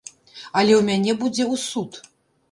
Але ў мяне будзе ў суд.